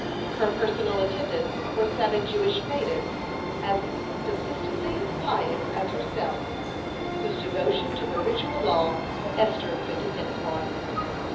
(76) Her personal attendants were seven Jewish maidens as consistently pious as herself, whose devotion to the ritual law Esther could depend upon.